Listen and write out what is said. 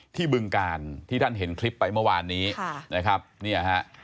ที่บึงการที่ท่านเห็นคลิปไปเมื่อวานนี้